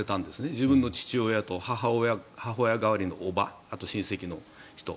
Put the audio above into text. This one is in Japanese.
自分の父親と母親代わりのおばと親戚の人。